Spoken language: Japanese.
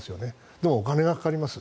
でもお金がかかります。